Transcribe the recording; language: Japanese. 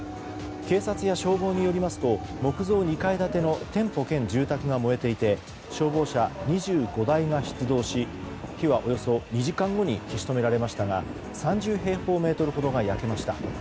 警察や消防によりますと木造２階建ての店舗兼住宅が燃えていて消防車２５台が出動し火は、およそ２時間後に消し止められましたが３０平方メートルほどが焼けました。